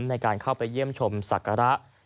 ในการเข้าไปเยี่ยมชมศักระ